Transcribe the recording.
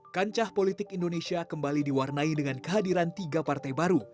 kancah politik indonesia kembali diwarnai dengan kehadiran tiga partai baru